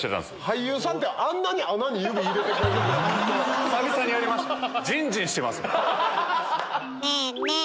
俳優さんってあんなに穴に指入れてくれる？ねぇねぇ！